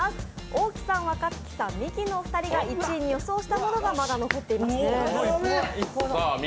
大木さん、若槻さん、ミキのお二人が１位に予想したものがまだ残っていますね。